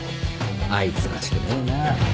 あいつらしくねえな。